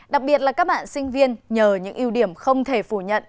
đặc biệt là các bạn sinh viên nhờ những ưu điểm không thể phủ nhận